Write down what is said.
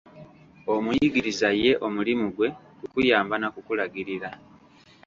Omuyigiriza ye omulimu gwe kukuyamba na kukulagirira.